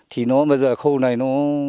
thì nó bây giờ khu này nó